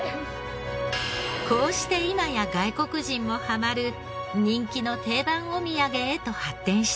こうして今や外国人もハマる人気の定番お土産へと発展したのです。